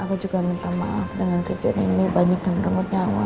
aku juga minta maaf dengan kejadian ini banyak yang merenggut nyawa